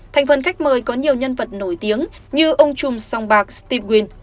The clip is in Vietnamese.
thành phần khách mời có nhiều nhân vật nổi tiếng như ông chùm song bạc steve wynn